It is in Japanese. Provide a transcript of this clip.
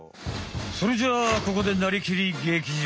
それじゃあここで「なりきり！劇場」。